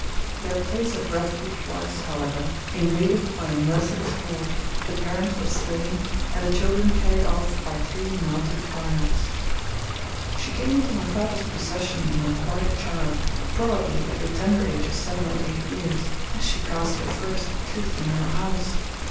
Their place of refuge was, however, invaded by a merciless horde, the parents were slain, and the children carried off by three mounted Arnauts. She came into my father's possession when quite a child, probably at the tender age of seven or eight years, as she cast her first tooth in our house.